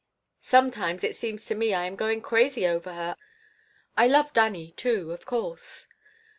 Sometimes it seems to me I am going crazy over her. I love Dannie, too, of course.